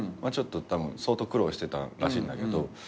ちょっと相当苦労してたらしいんだけど。